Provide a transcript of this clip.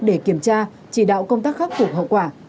để kiểm tra chỉ đạo công tác khắc phục hậu quả